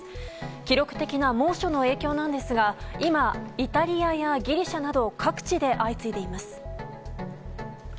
記録的な猛暑の影響なんですが今、イタリアやギリシャなど各地で相次いでいます。